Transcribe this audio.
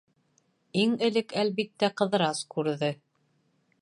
Иң элек, әлбиттә, Ҡыҙырас күрҙе.